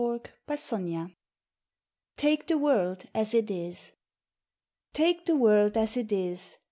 NICHOLAS GRIMOALD. TAKE THE WORLD AS IT IS. Take the world as it is!